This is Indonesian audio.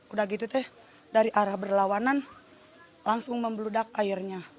udah gitu teh dari arah berlawanan langsung membeludak airnya